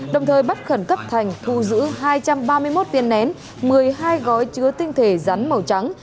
đồng thời bắt khẩn cấp thành thu giữ hai trăm ba mươi một viên nén một mươi hai gói chứa tinh thể rắn màu trắng